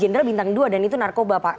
jenderal bintang dua dan itu narkoba pak